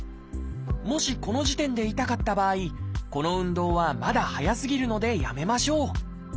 もしこの時点で痛かった場合この運動はまだ早すぎるのでやめましょう。